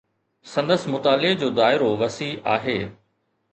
سندس مطالعي جو دائرو وسيع آهي.